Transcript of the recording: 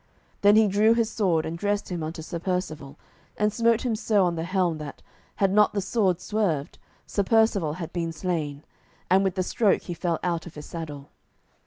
Then he drew his sword, and dressed him unto Sir Percivale, and smote him so on the helm that, had not the sword swerved, Sir Percivale had been slain, and with the stroke he fell out of his saddle.